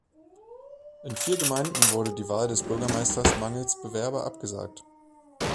In vier Gemeinden wurde die Wahl des Bürgermeisters mangels Bewerber abgesagt.